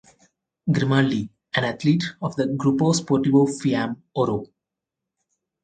Grimaldi an athlete of the Gruppo Sportivo Fiamme Oro.